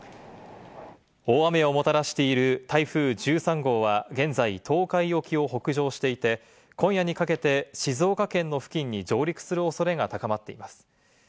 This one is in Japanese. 大雨をもたらしている台風１３号は現在、東海沖を北上していて、今夜にかけて静岡県の付近に上陸するおそれが高まっています。